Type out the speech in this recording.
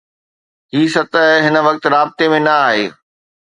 هي سطح هن وقت رابطي ۾ نه آهي